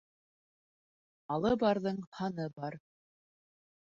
Малы барҙың һаны бар.